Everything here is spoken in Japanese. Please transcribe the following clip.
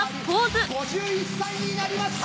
５１歳になりました！